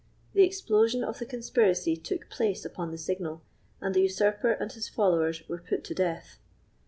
The explosion of the conspiracy took place upon the signal, and the usurper and his followers were put to death.